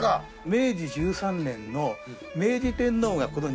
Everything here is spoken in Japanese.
明治１３年の。